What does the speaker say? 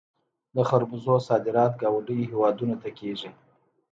د خربوزو صادرات ګاونډیو هیوادونو ته کیږي.